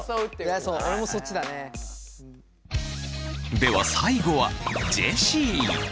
では最後はジェシー。